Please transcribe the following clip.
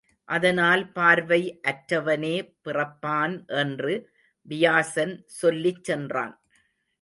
அதனால் பார்வை அற்றவனே பிறப்பான் என்று வியாசன் சொல்லிச் சென்றான்.